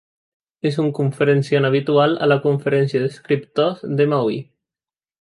És un conferenciant habitual a la Conferència d'Escriptors de Maui.